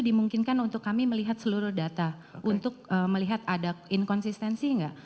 dimungkinkan untuk kami melihat seluruh data untuk melihat ada inkonsistensi nggak